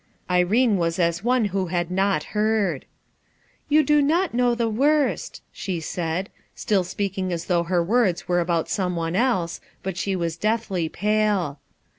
Irene was as one who had not heard. "You do not know the worst," she said, stilt speaking as though her words were about some one else; but she was deathly pale.